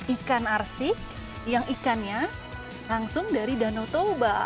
ikan arsik yang ikannya langsung dari danau toba